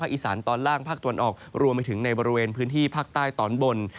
อีสานตอนล่างภาคตะวันออกรวมไปถึงในบริเวณพื้นที่ภาคใต้ตอนบน